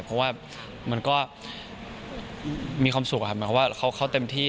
เพราะว่ามีความสุขอะไรครับเพราะว่าเขาเต็มที่